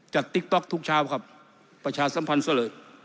ติ๊กต๊อกทุกเช้าครับประชาสัมพันธ์ซะเลย